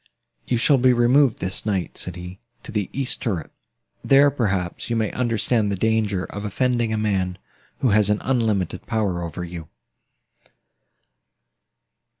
"You shall be removed, this night," said he, "to the east turret: there, perhaps, you may understand the danger of offending a man, who has an unlimited power over you."